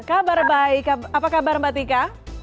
kabar baik apa kabar mbak tika